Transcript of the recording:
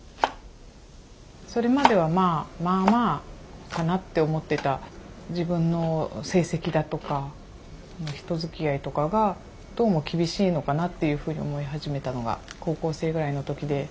それまではまあまあかなって思ってた自分の成績だとか人づきあいとかがどうも厳しいのかなっていうふうに思い始めたのが高校生ぐらいの時で。